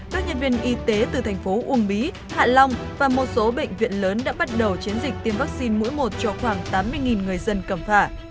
các nhân viên y tế từ thành phố uông bí hạ long và một số bệnh viện lớn đã bắt đầu chiến dịch tiêm vaccine mũi một cho khoảng tám mươi người dân cầm phả